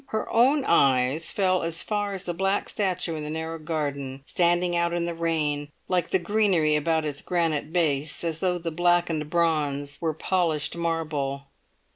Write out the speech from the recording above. Her own eyes fell as far as the black statue in the narrow garden, standing out hi the rain, like the greenery about its granite base, as though the blackened bronze were polished marble.